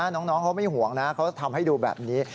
น้องเขาไม่ห่วงนะเขาทำให้ดูแบบนี้